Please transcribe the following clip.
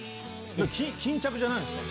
巾着じゃないんですね？